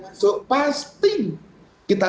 masuk pasti kita